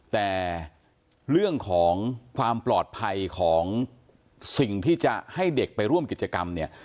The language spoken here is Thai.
แต่เรื่องของความปลอดภัยของสิ่งที่จะให้เด็กไปร่วมกิจกรรมเนี่ย